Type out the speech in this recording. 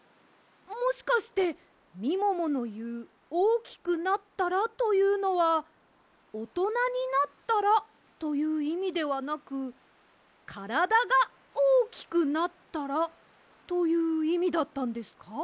もしかしてみもものいう「おおきくなったら」というのは「おとなになったら」といういみではなく「からだがおおきくなったら」といういみだったんですか？